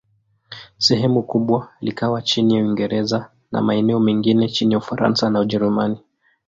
Sehemu kubwa likawa chini ya Uingereza, na maeneo mengine chini ya Ufaransa na Ujerumani.